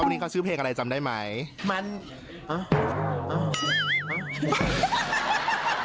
วันนี้เกี่ยวกับกองถ่ายเราจะมาอยู่กับว่าเขาเรียกว่าอะไรอ่ะนางแบบเหรอ